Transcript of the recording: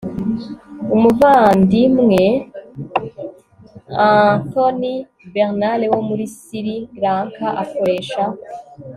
Umuvandimwe Anthony Bernard wo muri Siri Lanka akoresha